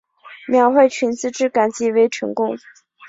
描绘裙子质感极为成功